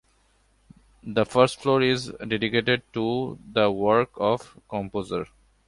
The first floor is dedicated to the work of the composer.